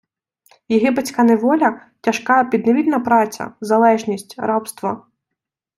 Єгипетська неволя - тяжка підневільна праця, залежність, рабство